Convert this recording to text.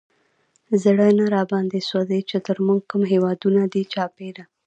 زړه نه راباندې سوزي، چې تر مونږ کوم هېوادونه دي چاپېره